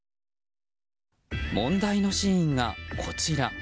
問題のシーンがこちら。